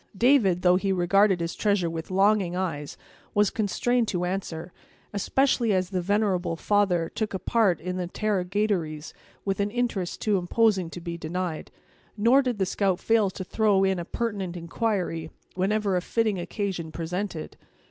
David, though he regarded his treasure with longing eyes, was constrained to answer, especially as the venerable father took a part in the interrogatories, with an interest too imposing to be denied. Nor did the scout fail to throw in a pertinent inquiry, whenever a fitting occasion presented.